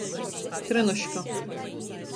Trynuška.